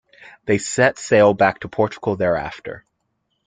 They set sail back to Portugal thereafter.